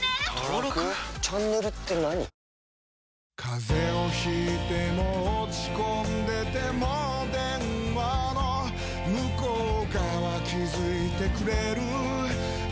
風邪を引いても落ち込んでても電話の向こう側気付いてくれるあなたの声